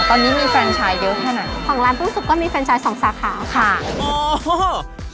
ตอนนี้มีเฟรนชายเยอะแค่ไหนของร้านปลื้มสุก็มีเฟรนชายสองสาขาค่ะ